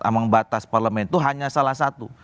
ambang batas parlemen itu hanya salah satu